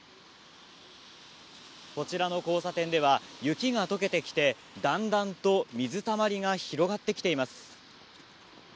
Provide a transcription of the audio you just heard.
こちらの交差点では雪が解けてきて、だんだんと水たまりが広がってきています。